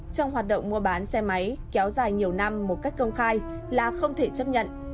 trong hoạt động mua bán xe máy kéo dài nhiều năm một cách công khai là không thể chấp nhận